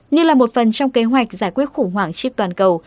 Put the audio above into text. như là một phần trong kế hoạch giải quyết khủng hoảng chip toàn cầu